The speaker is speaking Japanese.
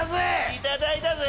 いただいたぜ！